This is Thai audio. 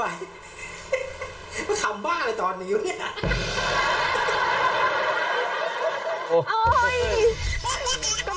มันขำบ้างอะไรตอนนี้อยู่นี่น่ะ